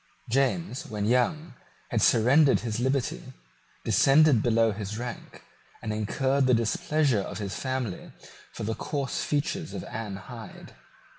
James, when young, had surrendered his liberty, descended below his rank, and incurred the displeasure of his family for the coarse features of Anne Hyde.